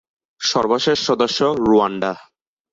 সর্বশেষ সদস্য রুয়ান্ডা।